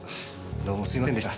どうもすみませんでした。